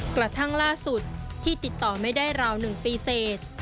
กระทั่งล่าสุดที่ติดต่อไม่ได้ราว๑ปีเสร็จ